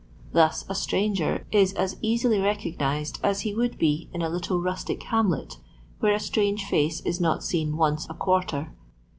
Thus a stranger is as easily recognised as he would be in a little rustic hamlet where « strange fiue is not seen once a quarter.